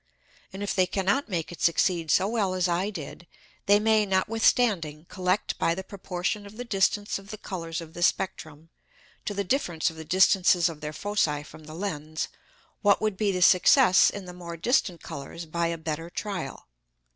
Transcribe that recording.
And if they cannot make it succeed so well as I did, they may notwithstanding collect by the Proportion of the distance of the Colours of the Spectrum, to the Difference of the distances of their Foci from the Lens, what would be the Success in the more distant Colours by a better trial.